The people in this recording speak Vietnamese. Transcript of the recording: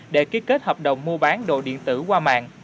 để ký kết hợp đồng mua bán đồ điện tử qua mạng